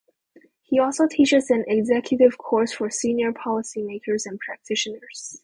He also teaches an executive course for senior policy makers and practitioners.